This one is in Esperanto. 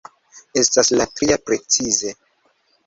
Estas la tria precize.